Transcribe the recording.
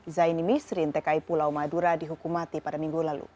zaini misrin tki pulau madura dihukum mati pada minggu lalu